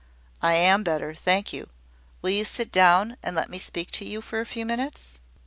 "I am better, thank you. Will you sit down, and let me speak to you for a few minutes?"